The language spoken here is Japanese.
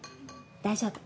大丈夫。